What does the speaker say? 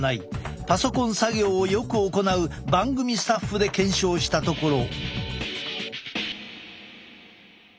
パソコン作業をよく行う番組スタッフで検証したところ。